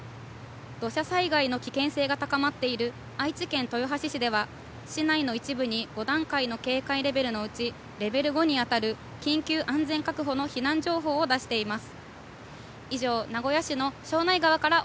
土砂災害の危険性が高まっている愛知県豊橋市では、市内の一部に５段階の警戒レベルのうちレベル５に当たる緊急安全確保の避難情報を出しています。